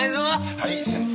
はい先輩。